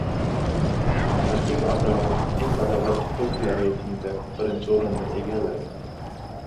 Rahim Abramov eng badavlat tiktokerlar reytingida birinchi o‘rinni egalladi